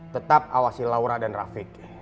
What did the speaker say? tetap awasi laura dan rafiq